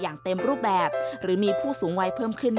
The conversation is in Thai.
อย่างเต็มรูปแบบหรือมีผู้สูงวัยเพิ่มขึ้น